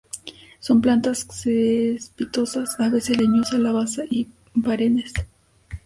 Son plantas cespitosas, a veces leñosa en la base, y perennes.